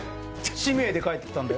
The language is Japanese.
使命で帰ってきたんだよ。